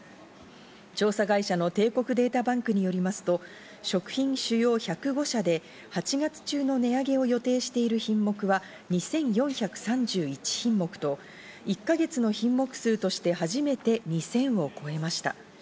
調査会社の帝国データバンクによりますと、食品主要１０５社で８月中の値上げを予定している品目は２４３１品目と、１か月の品目数として初めて２０００を超えました。